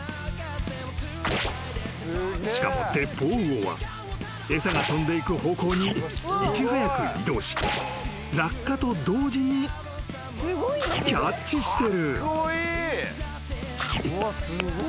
［しかもテッポウウオは餌が飛んでいく方向にいち早く移動し落下と同時にキャッチしてる］